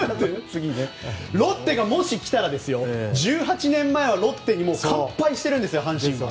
ロッテ、もし来たら１８年前はロッテに乾杯してるんですよ、阪神は。